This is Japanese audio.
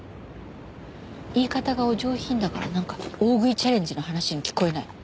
言い方がお上品だからなんか大食いチャレンジの話に聞こえない。